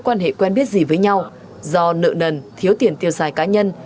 họ không có mối quan hệ quen biết gì với nhau do nợ nần thiếu tiền tiêu xài cá nhân